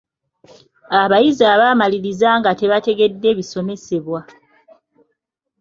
Abayizi bamaliriza nga tebategedde bisomesebwa.